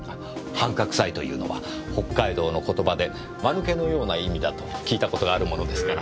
「はんかくさい」というのは北海道の言葉でマヌケのような意味だと聞いた事があるものですから。